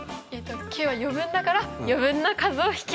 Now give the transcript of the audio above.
９は余分だから余分な数を引け！